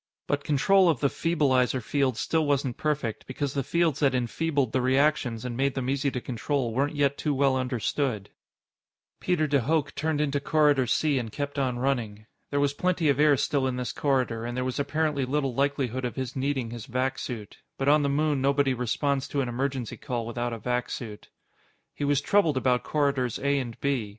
But control of the feebleizer fields still wasn't perfect, because the fields that enfeebled the reactions and made them easy to control weren't yet too well understood. Peter de Hooch turned into Corridor C and kept on running. There was plenty of air still in this corridor, and there was apparently little likelihood of his needing his vac suit. But on the moon nobody responds to an emergency call without a vac suit. He was troubled about Corridors A and B.